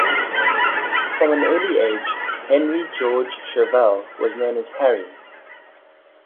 From an early age Henry George Chauvel was known as "Harry".